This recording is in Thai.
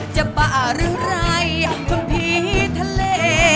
จะบ้าหรือไรคนผีทะเล